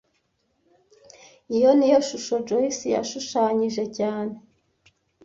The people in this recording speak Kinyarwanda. Iyi niyo shusho Joyce yashushanyije cyane